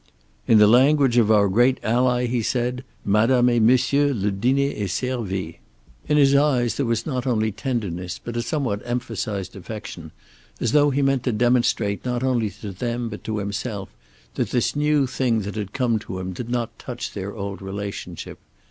"In the language of our great ally," he said, "Madame et Monsieur, le diner est servi." In his eyes there was not only tenderness but a somewhat emphasized affection, as though he meant to demonstrate, not only to them but to himself, that this new thing that had come to him did not touch their old relationship.